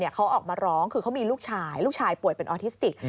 เขาออกมาร้องคือเขามีลูกชายลูกชายป่วยเป็นออทิสติก